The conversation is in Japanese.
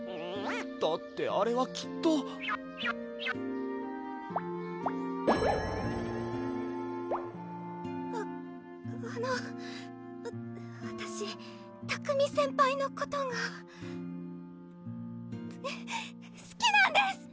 だってあれはきっとああのわわたし拓海先輩のことがすきなんです！